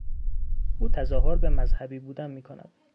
او تظاهر به مذهبی بودن میکند.